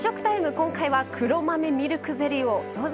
今回は黒豆ミルクゼリーをどうぞ。